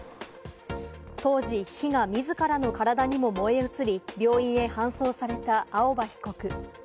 当時、火が自らの体にも燃え移り、病院へ搬送された青葉被告。